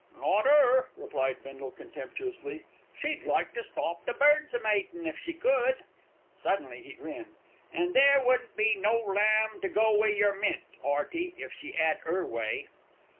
"Not 'er," replied Bindle contemptuously. "She'd like to stop the birds a matin', if she could." Suddenly he grinned. "An' there wouldn't be no lamb to go wi' your mint, 'Earty, if she 'ad 'er way."